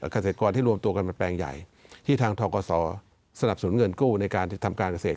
เกษตรกรที่รวมตัวกันเป็นแปลงใหญ่ที่ทางทกศสนับสนุนเงินกู้ในการทำการเกษตร